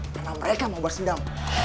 karena mereka mau bersendam